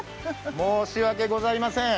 申し訳ございません。